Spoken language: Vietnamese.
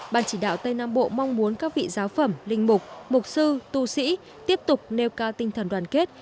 ban chỉ đạo tây nam bộ mong muốn các vị giáo phẩm linh mục mục sư tu sĩ tiếp tục nêu cao tinh thần đoàn kết